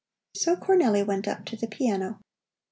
So Cornelli went up to the piano.